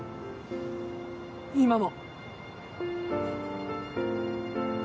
今も。